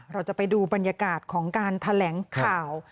เราจะไปดูบรรยากาศของการแถลงข่าว